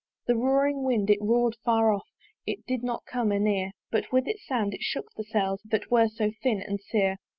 The roaring wind! it roar'd far off, It did not come anear; But with its sound it shook the sails That were so thin and sere.